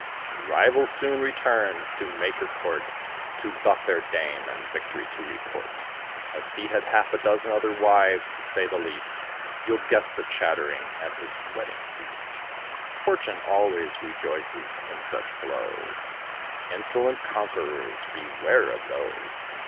The rival soon returns to make his court To the fair dame, and victory to report, As he had half a dozen other wives, to say the least, You'll guess the chattering at his wedding feast. Fortune always rejoices in such blows: Insolent conquerors, beware of those.